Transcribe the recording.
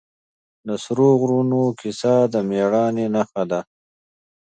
د سرو غرونو کیسه د مېړانې نښه ده.